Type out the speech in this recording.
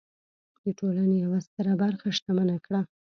د ټولنې یوه ستره برخه شتمنه کړه.